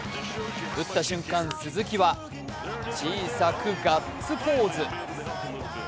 打った瞬間、鈴木は小さくガッツポーズ。